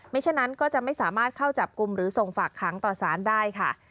ฉะนั้นก็จะไม่สามารถเข้าจับกลุ่มหรือส่งฝากค้างต่อสารได้ค่ะ